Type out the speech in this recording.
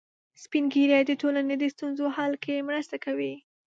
سپین ږیری د ټولنې د ستونزو حل کې مرسته کوي